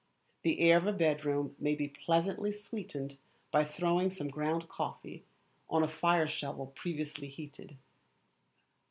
The air of a bedroom may be pleasantly sweetened by throwing some ground coffee on a fire shovel previously heated.